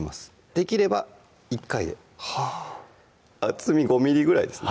できれば１回ではぁ厚み５ｍｍぐらいですね